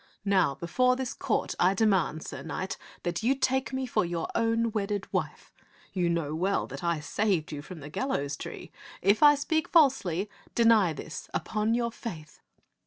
Now before this court I demand, sir knight, that you take me for your own wedded wife. You know well that I saved you from the gallows tree. If I speak falsely, deny this upon your faith."